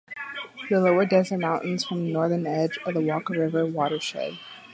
The lower Desert Mountains form the northern edge of the Walker River watershed.